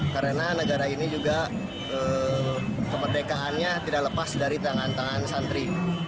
karena negara ini juga kemerdekaannya tidak lepas dari tangan tangan santri